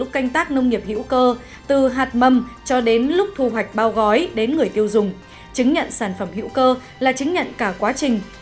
canh tác nông nghiệp hữu cơ từ hạt mầm cho đến lúc thu hoạch bao gói đến người tiêu dùng chứng nhận sản phẩm hữu cơ là chứng nhận cả quá trình